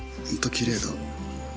きれいだわ。